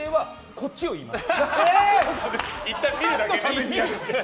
こっちを言います。